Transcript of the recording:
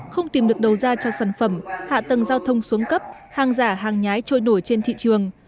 không tìm được đầu ra cho sản phẩm hạ tầng giao thông xuống cấp hàng giả hàng nhái trôi nổi trên thị trường